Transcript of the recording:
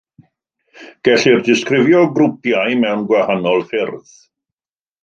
Gellir disgrifio grwpiau mewn gwahanol ffyrdd.